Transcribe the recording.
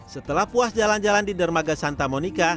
setelah puas jalan jalan di dermaga santa monica